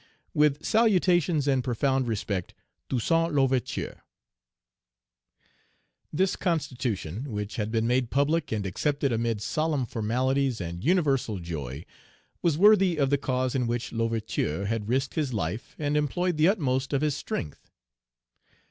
With salutations and profound respect. "TOUSSAINT L'OUVERTURE." This constitution, which had been made public and accepted amid solemn formalities and universal joy, was worthy of the cause in which L'Ouverture had risked his life and employed the utmost of his strength.